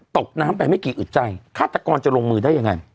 ตกน้ำไปไม่กี่อึดใจฆาตกรจะลงมือได้ยังไง